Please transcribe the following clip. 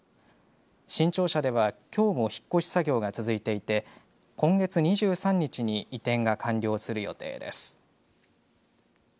新庁舎では、きょうも引っ越し作業が続いていて今月２３日に移転が完了する予定です。